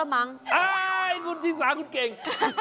คุณชิคกี้พายคุณเก่ง